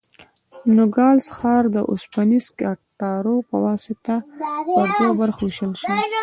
نوګالس ښار د اوسپنیزو کټارو په واسطه پر دوو برخو وېشل شوی.